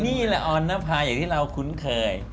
นี่แหละออนนภาอย่างที่เราคุ้นเคย